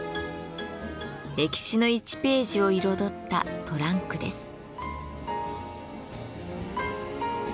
歴史の１ページを彩ったトランクです。